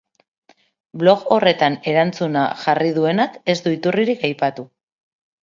Blog horretan erantzuna jarri duenak ez du iturririk aipatu.